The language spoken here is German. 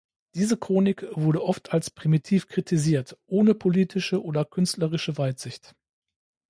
Diese Chronik wurde oft als primitiv kritisiert, ohne politische oder künstlerische Weitsicht.